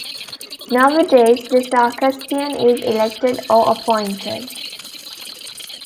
Nowadays the sacristan is elected or appointed.